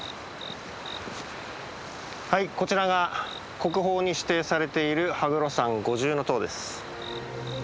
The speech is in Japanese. こちらが国宝に指定されている羽黒山五重塔です。